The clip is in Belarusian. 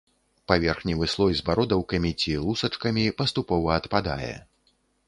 Паверхневы слой з бародаўкамі ці лусачкамі, паступова адпадае.